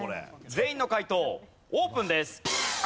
全員の解答オープンです。